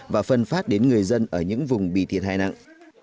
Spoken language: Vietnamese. và phân phát đến người dân ở những vùng bị thiệt hại nặng